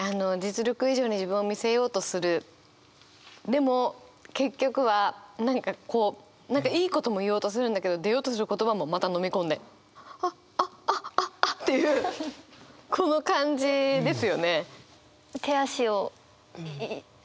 でも結局は何かこう何かいいことも言おうとするんだけど出ようとする言葉もまたのみ込んであっあっあっあっあっっていうこの感じですよね。